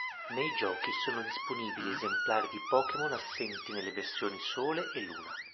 Nei giochi sono disponibili esemplari di Pokémon assenti nelle versioni "Sole" e "Luna".